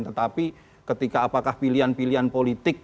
tetapi ketika apakah pilihan pilihan politik